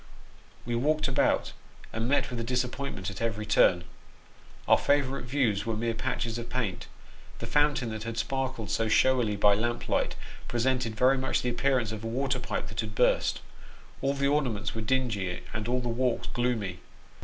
We walked about, and met with a disappointment at every turn ; our favourite views were mere patches of paint ; the fountain that had sparkled so showily by lamp light, presented very much the appear ance of a water pipe that had burst ; all the ornaments were dingy, and all the walks gloomy.